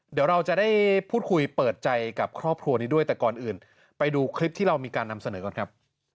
เดี๋ยวเราจะได้พูดคุยเปิดใจกับครอบครัวนี้ด้วยแต่ก่อนอื่นไปดูคลิปที่เรามีการนำเสนอก่อนครับ